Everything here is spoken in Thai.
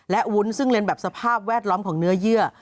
และวุ้นซึ่งเรียนแบบสภาพแวดล้อมของเนื้อเยื่อ